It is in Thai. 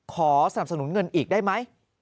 ขอสนับสนุนเงินอีกได้ไหม